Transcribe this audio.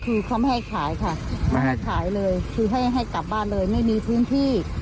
คือเขาไม่ให้ขายค่ะไม่ให้ขายเลยคือให้ให้กลับบ้านเลยไม่มีพื้นที่